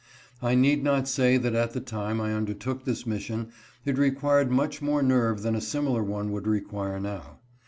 I need not say that at the time I undertook this mission it required much more nerve than a similar one would require now.